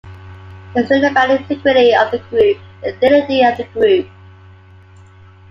It's really about the integrity of the group, the dignity of the group.